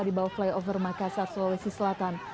di bawah flyover makassar sulawesi selatan